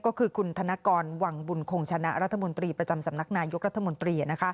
ก็คือคุณธนกรวังบุญคงชนะรัฐมนตรีประจำสำนักนายกรัฐมนตรี